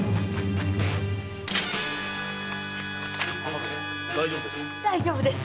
母上大丈夫ですか？